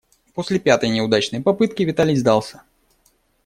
После пятой неудачной попытки Виталий сдался.